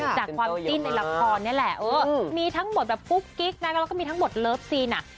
จากความติ้นในลักษณ์นี้แหละมีทั้งหมดคลุกกิ๊กแล้วก็มีทั้งหมดเลิฟซีน